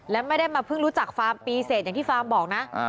และไม่ได้มาเพิ่งรู้จักฟาร์มปีเสร็จอย่างที่ฟาร์มบอกนะ